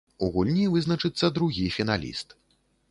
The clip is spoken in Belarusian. У гульні вызначыцца другі фіналіст.